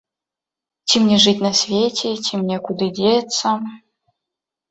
Ці мне жыць на свеце, ці мне куды дзецца?